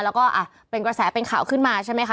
แล้วก็เป็นกระแสเป็นข่าวขึ้นมาใช่ไหมคะ